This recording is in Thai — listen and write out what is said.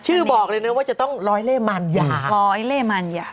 ชื่อบอกเลยนะว่าจะต้องรอยเล่มารยา